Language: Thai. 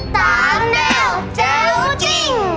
สามแนวเจลจิ้ง